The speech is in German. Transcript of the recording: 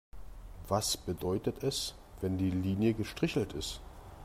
Was bedeutet es, wenn die Linie gestrichelt ist?